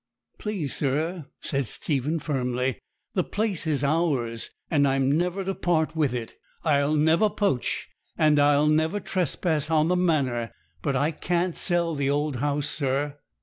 'Please, sir,' said Stephen firmly, 'the place is ours, and I'm never to part with it. I'll never poach, and I'll never trespass on the manor; but I can't sell the old house, sir.'